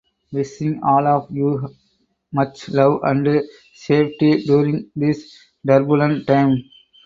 Wishing all of you much love and safety during this turbulent time.